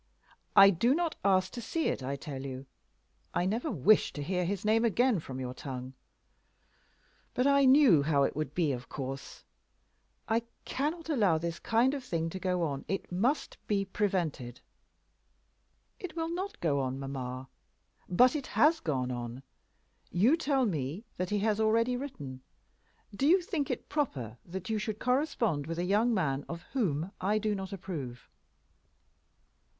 "I do not ask to see it, I tell you. I never wish to hear his name again from your tongue. But I knew how it would be; of course. I cannot allow this kind of thing to go on. It must be prevented." "It will not go on, mamma." "But it has gone on. You tell me that he has already written. Do you think it proper that you should correspond with a young man of whom I do not approve?"